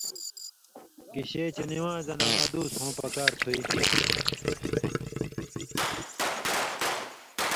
گِشے چے نِوان٘زاں دن ادُوس ہوں پکار تھُوےۡ